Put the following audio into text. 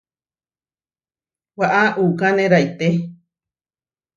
Waʼá uʼkane raité.